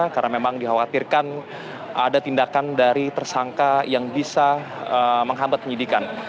karena memang dikhawatirkan ada tindakan dari tersangka yang bisa menghambat penyidikan